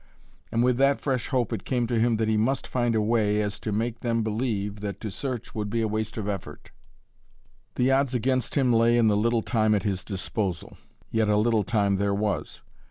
And with that fresh hope it came to him that he must find a way as to make them believe that to search would be a waste of effort. The odds against him lay in the little time at his disposal. Yet a little time there was.